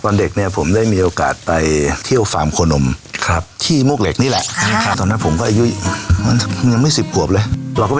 เด็กเนี่ยผมได้มีโอกาสไปเที่ยวฟาร์มโคนมที่มวกเหล็กนี่แหละตอนนั้นผมก็อายุยังไม่๑๐ขวบเลย